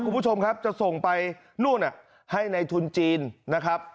คุณผู้ชมครับจะส่งไปนู่นให้ในทุนจีนนะครับ